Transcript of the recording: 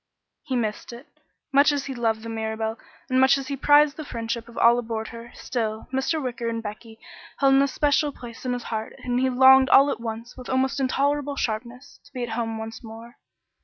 He missed it. Much as he loved the Mirabelle, and much as he prized the friendship of all aboard her, still, Mr. Wicker and Becky held an especial place in his heart and he longed all at once, with almost intolerable sharpness, to be at home once more.